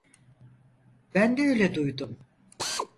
Ben de öyle duydum.